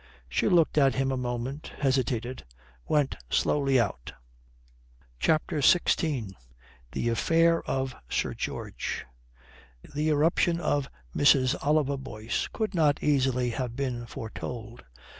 She looked at him a moment, hesitated, went slowly out. CHAPTER XVI THE AFFAIR OF SIR GEORGE The irruption of Mrs. Oliver Boyce could not easily have been foretold.